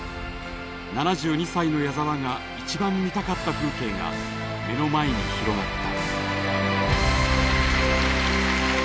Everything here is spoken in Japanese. ７２歳の矢沢が一番見たかった風景が目の前に広がった。